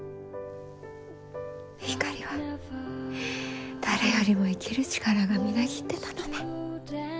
ひかりは誰よりも生きる力がみなぎってたのね。